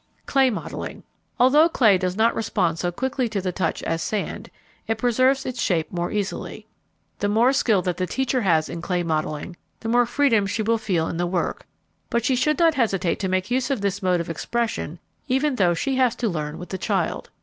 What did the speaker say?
Clay Modeling. Although clay does not respond so quickly to the touch as sand, it preserves its shape more easily. The more skill that the teacher has in clay modeling the more freedom she will feel in the work, but she should not hesitate to make use of this mode of expression even though she has to learn with the child.